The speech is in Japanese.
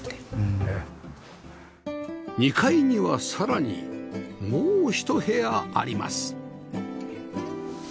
２階にはさらにもうひと部屋あります